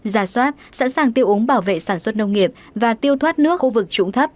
giả soát sẵn sàng tiêu úng bảo vệ sản xuất nông nghiệp và tiêu thoát nước khu vực trũng thấp